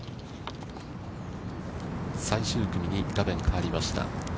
最終組に画面、変わりました。